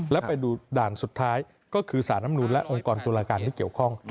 แล้วไปดูด่านสุดท้ายก็คือสารน้ำนูนและองค์กรตุลาการที่เกี่ยวข้อง